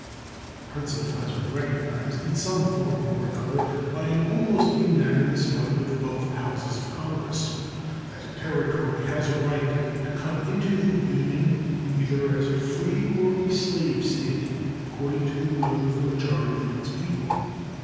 The principle has been recognized in some form or other by an almost unanimous vote of both Houses of Congress that a Territory has a right to come into the Union either as a free or a slave State, according to the will of a majority of its people.